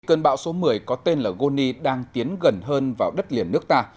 cơn bão số một mươi có tên là goni đang tiến gần hơn vào đất liền nước ta